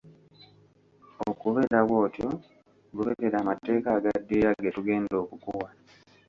Okubeera bw'otyo, goberera amateeka agaddirira ge tugenda okukuwa.